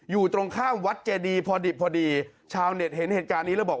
อยู่ตรงข้ามวัดเจดีพอดิบพอดีชาวเน็ตเห็นเหตุการณ์นี้แล้วบอก